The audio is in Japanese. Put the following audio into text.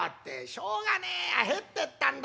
しょうがねえや入ってったんだ。